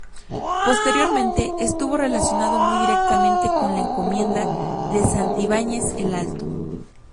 Posteriormente, estuvo relacionado muy directamente con la encomienda de Santibañez el Alto.